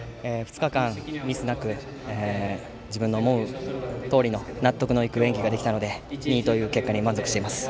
２日間ミスなく自分の思うとおりの納得いく演技ができたので２位という結果に満足しています。